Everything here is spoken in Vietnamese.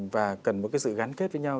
và cần một cái sự gắn kết với nhau